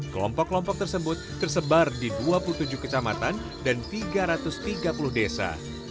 kelompok kelompok tersebut tersebar di dua puluh tujuh kecamatan dan tiga ratus tiga puluh desa